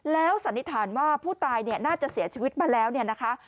แล้วสันนิษฐานว่าผู้ตายเนี่ยน่าจะเสียชีวิตมาแล้วเนี่ยนะคะ